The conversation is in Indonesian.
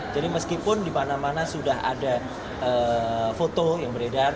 jadi meskipun di mana mana sudah ada foto yang beredar